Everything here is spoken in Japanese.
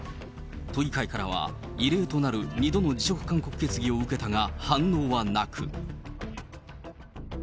都議会からは、異例となる２度の辞職勧告決議を受けたが反応はなく。